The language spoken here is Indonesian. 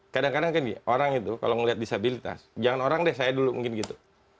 kadang kadang gini orang itu kalau ngeliat disabilitas jangan orang deh saya dulu mungkin gitu